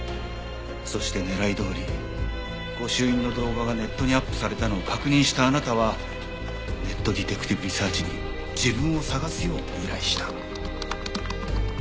そして狙いどおり御朱印の動画がネットにアップされたのを確認したあなたはネットディテクティブリサーチに自分を捜すよう依頼した。